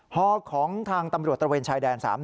ฮของทางตำรวจตระเวนชายแดน๓๐